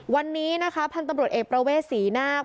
วันนี้นะคะพันธุ์ตำรวจเอกประเวทศรีนาค